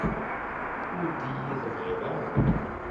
Ur d-iyi-tebɣiḍ ara?